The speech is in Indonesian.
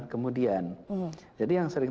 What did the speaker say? kemudian jadi yang sering